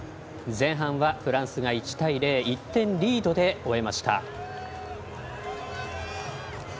前半はフランスが１対０１点リードで終えました。